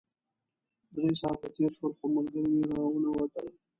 درې ساعته تېر شول خو ملګري مې راونه وتل.